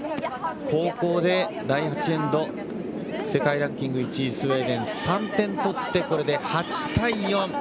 後攻で第８エンド世界ランキング１位スウェーデン、３点取ってこれで８対４。